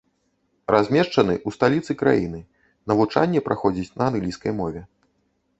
Размешчаны ў сталіцы краіны, навучанне праходзіць на англійскай мове.